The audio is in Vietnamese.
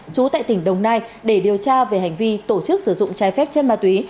trú tại tỉnh đồng nai để điều tra về hành vi tổ chức sử dụng trái phép chân ma túy